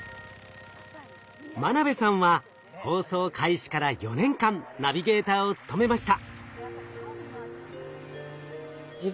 眞鍋さんは放送開始から４年間ナビゲーターを務めました。